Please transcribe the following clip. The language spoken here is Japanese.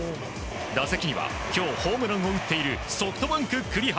打席には今日ホームランを打っているソフトバンク、栗原。